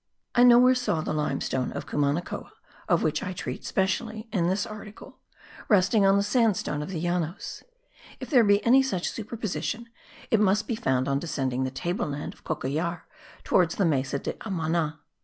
I nowhere saw the limestone of Cumanacoa (of which I treat specially in this article) resting on the sandstone of the Llanos; if there be any such superposition it must be found on descending the table land of Cocollar towards the Mesa de Amana.